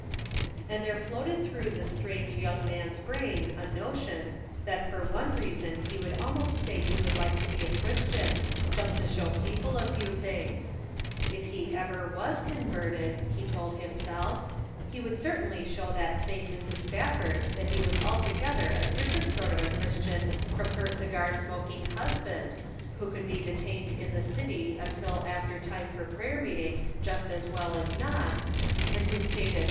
And there floated through this strange young man's brain a notion that for one reason he could almost say he would like to be a Chris tian, just to show people a few things. If he ever was converted, he told himself, he would certainly show that same Mrs. Spafford that lie was altogether a different sort of a Christian from her cigar smoking husband, who could be detained in the city until after time for prayer meeting just as well as not, and who staid at.